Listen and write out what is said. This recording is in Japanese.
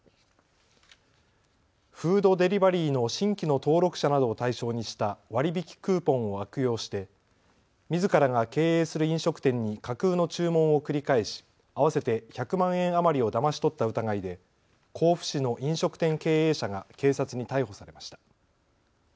フードデリバリーの新規の登録者などを対象にした割引きクーポンを悪用してみずからが経営する飲食店に架空の注文を繰り返し合わせて１００万円余りをだまし取った疑いで甲府市の飲食店経営者が警察に逮捕されました。